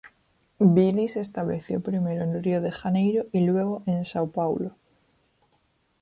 Billy se estableció primero en Rio de Janeiro y luego en São Paulo.